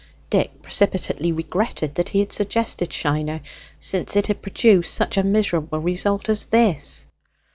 Dick precipitately regretted that he had suggested Shiner, since it had produced such a miserable result as this.